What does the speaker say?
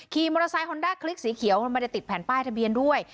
ขี่มอเตอร์ไซคอนด้าคลิกสีเขียวไม่ได้ติดแผ่นป้ายทะเบียนด้วย